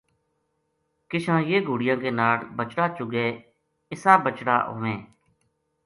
کشاں یہ گھوڑیاں کے ناڑ بچڑا چُگے اِسا بچڑا ہوویں